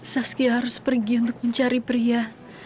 saski harus pergi untuk mencari pria